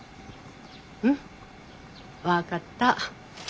うん分かった。